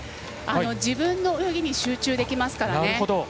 自分の泳ぎに集中できますからね。